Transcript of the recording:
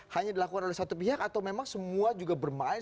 hanya dilakukan oleh satu pihak atau memang semua juga bermain